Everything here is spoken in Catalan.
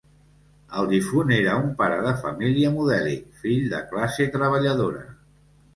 El difunt era un pare de família modèlic, fill de classe treballadora.